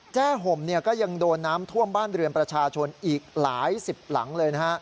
ห่มก็ยังโดนน้ำท่วมบ้านเรือนประชาชนอีกหลายสิบหลังเลยนะฮะ